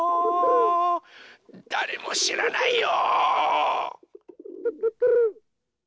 だれもしらないよ。